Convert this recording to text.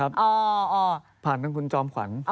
คืออยากจะผ่าน